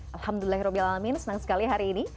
alhamdulillahirrohmanirrohim senang sekali hari ini